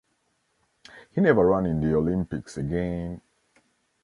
He never ran in the Olympics again.